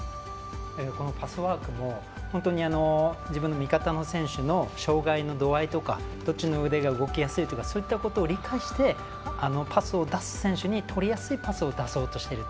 パスワークも本当に味方の選手の障がいの度合いとかどっちの腕が動きやすいとかそういうのを理解してパスを出す選手にとりやすいパスを出そうとしている。